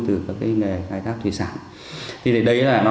từ các nghề khai thác thủy sản